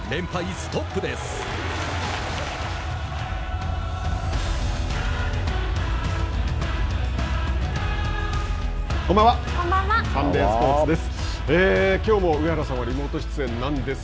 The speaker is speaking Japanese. サンデースポーツです。